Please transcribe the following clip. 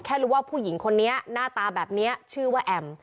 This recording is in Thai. รู้ว่าผู้หญิงคนนี้หน้าตาแบบนี้ชื่อว่าแอม